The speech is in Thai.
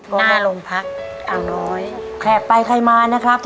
ก็ไม่ลงพักอังน้อยแขกไปใครมานะครับ